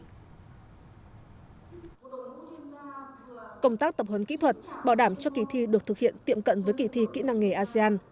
công tác tập huấn kỹ thuật bảo đảm cho kỳ thi được thực hiện tiệm cận với kỳ thi kỹ năng nghề asean